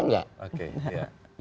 yang pada khutbah khutbah itu kan